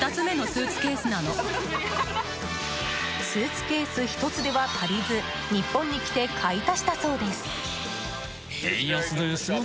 スーツケース１つでは足りず日本に来て買い足したそうです。